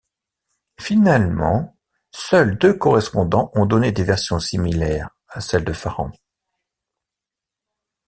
Finalement, seuls deux correspondants ont donné des versions similaires à celle de Farrant.